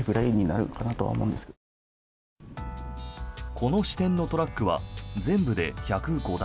この支店のトラックは全部で１０５台。